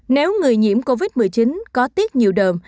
nếu người nhiễm covid một mươi chín có tiếc nhiều đợm